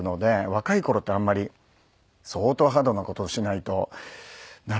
若い頃ってあんまり相当ハードな事をしないとならないケガなので。